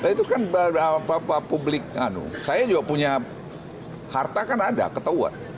itu kan publik saya juga punya harta kan ada ketahuan